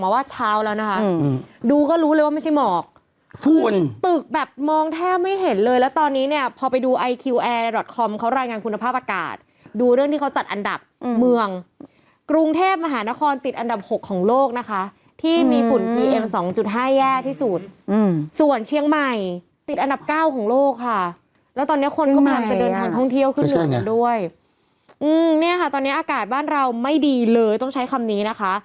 คุณแกนการเลิกคุณแกนการเลิกคุณแกนการเลิกคุณแกนการเลิกคุณแกนการเลิกคุณแกนการเลิกคุณแกนการเลิกคุณแกนการเลิกคุณแกนการเลิกคุณแกนการเลิกคุณแกนการเลิกคุณแกนการเลิกคุณแกนการเลิกคุณแกนการเลิกคุณแกนการเลิกคุณแกนการเลิกคุณแกนการเลิกคุณแกนการเลิกคุณแกนการเลิกคุณแกนการเลิกค